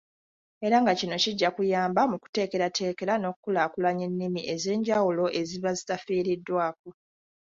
Era nga kino kijja kuyamba mu kuteekerateekera n'okukulaakulanya ennimi ez'enjawulo eziba zitafiiriddwako.